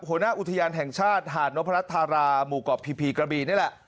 หัวหน้าอุทยานแห่งชาติหาดนพรัชธาราหมู่เกาะพีพีกระบีนี่แหละ